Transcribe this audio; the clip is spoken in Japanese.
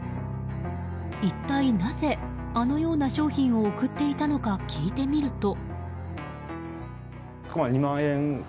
一体なぜ、あのような商品を送っていたのか聞いてみると。